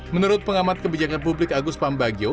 menurut pengamat kebijakan publik agus pambagio